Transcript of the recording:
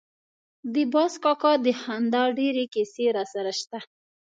د باز کاکا د خندا ډېرې کیسې راسره شته.